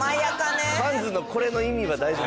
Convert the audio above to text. ハンズのこれの意味は大丈夫。